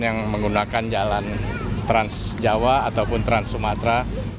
yang menggunakan jalan transjawa ataupun trans sumatera